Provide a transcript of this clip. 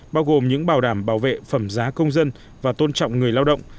bao gồm những bảo đảm bảo vệ phẩm giá công dân và tôn trọng người lao động